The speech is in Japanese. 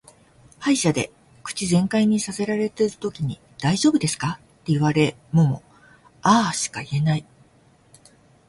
歯医者で口全開にさせられてるときに「大丈夫ですか」って言われもも「あー」しか言えない。